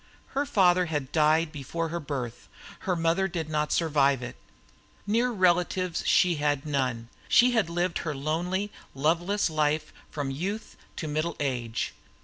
Her father had died before her birth; her mother did not survive it; near relatives she had none; she had lived her lonely, loveless life from youth to middle age.